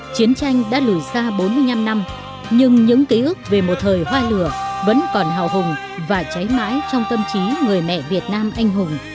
chiến tranh đã lùi xa bốn mươi năm năm nhưng những ký ức về một thời hoa lửa vẫn còn hào hùng và cháy mãi trong tâm trí người mẹ việt nam anh hùng